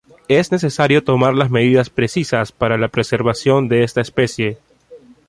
Es necesario tomar las medidas precisas para la preservación de esta especie.